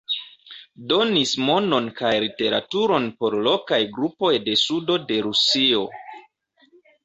Donis monon kaj literaturon por lokaj grupoj de sudo de Rusio.